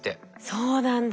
そうなんだ。